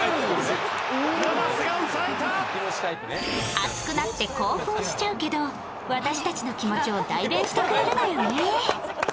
熱くなって興奮しちゃうけど私たちの気持ちを代弁してくれるのよね。